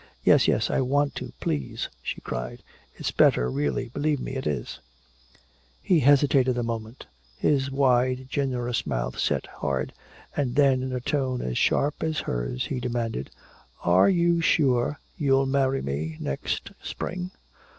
"Yes, yes, I want to! Please!" she cried. "It's better really! Believe me, it is " He hesitated a moment, his wide generous mouth set hard, and then in a tone as sharp as hers he demanded, "Are you sure you'll marry me next spring?